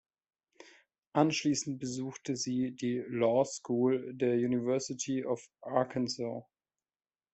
Anschließend besuchte sie die "Law School" der University of Arkansas.